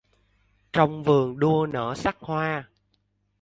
Trong vườn đua nở sắc hoa